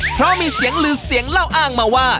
เพราะมีเสียงลือเสียงเล่าอ้างมาว่า